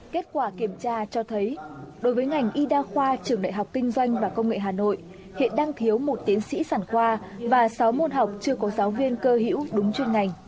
kết quả kiểm tra cho thấy đối với ngành y đa khoa trường đại học kinh doanh và công nghệ hà nội hiện đang thiếu một tiến sĩ sản khoa và sáu môn học chưa có giáo viên cơ hữu đúng chuyên ngành